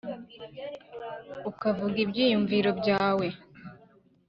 ukavuga ibyiyumviro byawe